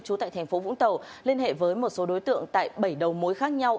chú tại tp vũng tàu liên hệ với một số đối tượng tại bảy đầu mối khác nhau